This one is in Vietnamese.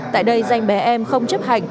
tại đây danh bé em không chấp hành